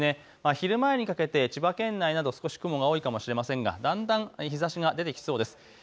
昼前にかけて千葉県内など少し雲が多いかもしれませんが、だんだん日ざしが出てきそうです。